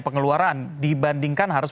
pengeluaran dibandingkan harus